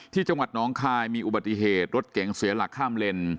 ที่จังหวัดน้องคายมีอุบัติเหตุรถเก๋งเสียหลักข้ามเลน